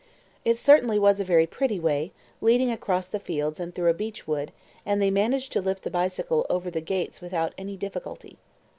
It certainly was a very pretty way, leading across the fields and through a beech wood, and they managed to lift the bicycle over the gates without any difficulty.